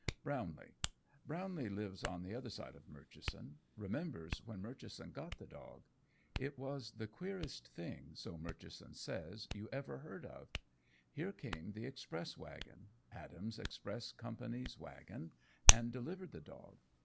Brownlee Brownlee lives on the other side of Murchison remembers when Murchison got the dog. It was the queerest thing, so Murchison says, you ever heard of. Here came the express wagon Adams' Express Company's wagon and delivered the dog.